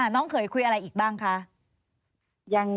น้องเคยคุยอะไรอีกบ้างคะ